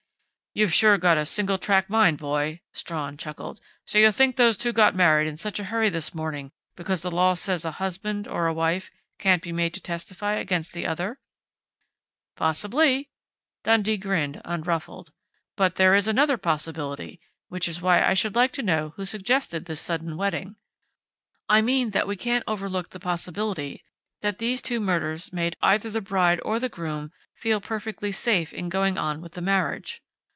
"You've sure got a single track mind, boy," Strawn chuckled. "So you think those two got married in such a hurry this morning because the law says a husband or a wife can't be made to testify against the other?" "Possibly." Dundee grinned, unruffled. "But there is another possibility which is why I should like to know who suggested this sudden wedding. I mean that we can't overlook the possibility that these two murders made either the bride or the groom feel perfectly safe in going on with the marriage.